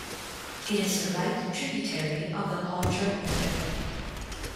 It is a right tributary of the Odra River.